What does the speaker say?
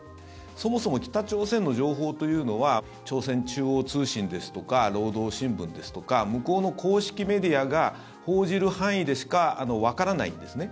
そもそも北朝鮮の情報というのは朝鮮中央通信ですとか労働新聞ですとか向こうの公式メディアが報じる範囲でしかわからないんですね。